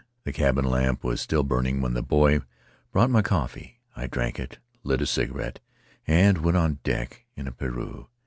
The cabin lamp was still burning when the boy brought my coffee; I drank it, lit a cigarette, and went on deck in a pareu.